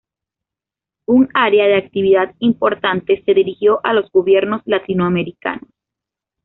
Un área de actividad importante se dirigió a los gobiernos latinoamericanos.